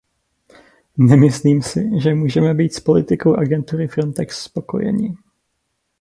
Nemyslím si, že můžeme být s politikou agentury Frontex spokojeni.